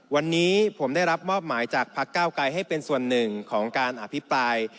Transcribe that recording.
วันนี้ผมได้รับมอบหมายจากพักเก้าไกรให้เป็นส่วนหนึ่งของการอภิปราย